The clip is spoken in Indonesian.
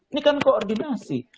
ini kan koordinasi